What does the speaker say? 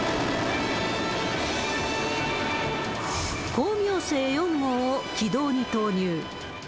光明星４号を軌道に投入。